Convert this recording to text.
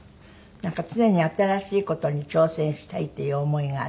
なんか常に新しい事に挑戦したいっていう思いがある？